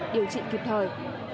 điều trị kịp thời